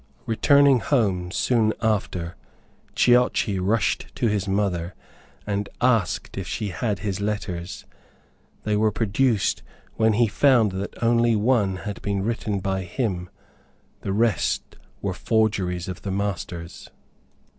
Returning home soon after, Ciocci rushed to his mother, and asked if she had his letters. They, were produced; when he found that only one had been written by him. The rest were forgeries of the masters.